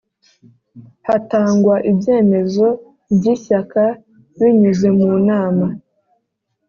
hatangwa ibyemezo by Ishyaka binyuze mu nama